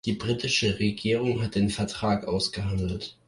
Die britische Regierung hat den Vertrag ausgehandelt.